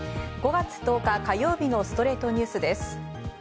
５月１０日、火曜日の『ストレイトニュース』です。